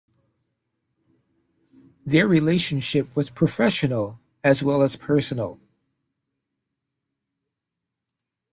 Their relationship was professional as well as personal.